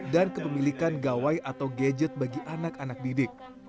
dan kepemilikan gawai atau gadget bagi anak anak didik